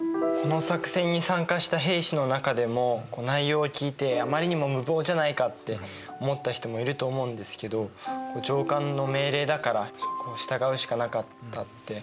この作戦に参加した兵士の中でも内容を聞いてあまりにも無謀じゃないかって思った人もいると思うんですけど上官の命令だから従うしかなかったって。